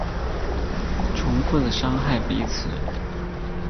重复的伤害彼此